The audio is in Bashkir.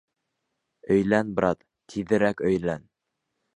Өйлән, брат, тиҙерәк өйлән.